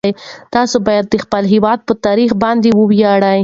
تاسو باید د خپل هیواد په تاریخ باندې وویاړئ.